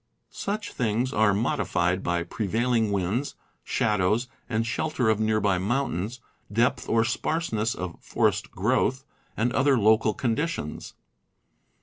Such things are modified by prevailing winds, shadows and shelter of nearby mountains, depth or sparseness of forest growth, and other local conditions.